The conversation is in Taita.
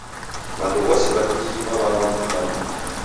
W'andu w'ose w'a kijiji w'aw'angwa mkutanony